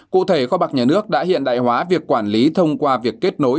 cụ thể kho bạc nhà nước đã hiện đại hóa việc quản lý thông qua việc kết nối